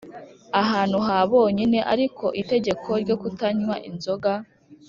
ahantu ha bonyine, ariko itegeko ryo kutanywa inzoga